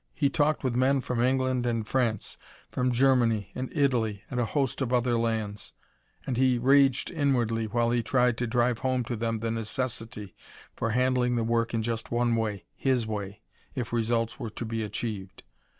He talked with men from England and France, from Germany and Italy and a host of other lands, and he raged inwardly while he tried to drive home to them the necessity for handling the work in just one way his way if results were to be achieved.